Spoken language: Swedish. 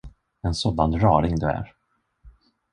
En sådan raring du är!